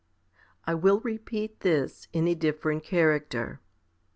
I will repeat this in a different character.